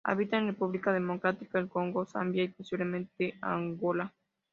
Habita en República Democrática del Congo, Zambia y posiblemente Angola.